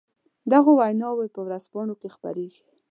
د هغو ويناوې په ورځپانو کې خپرېږي.